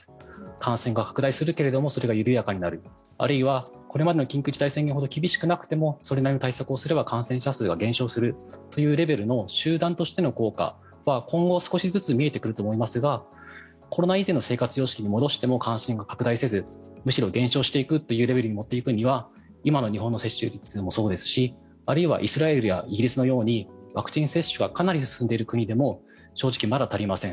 感染が拡大するけれどもそれが緩やかになるあるいはこれまでの緊急事態宣言ほど厳しくなくてもそれなりの対策をすれば感染者数が減少するというレベルの集団としての効果は今後、少しずつ見えてくると思いますがコロナ以前の生活様式に戻しても感染が拡大せずむしろ減少していくというレベルに持っていくためには今の日本の接種率もそうですしあるいはイスラエルやイギリスのようにワクチン接種がかなり進んでいる国でも正直、まだ足りません。